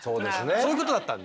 そういうことだったんで。